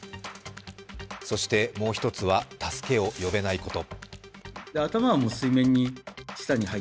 そしてもう一つは、助けを呼べないこと。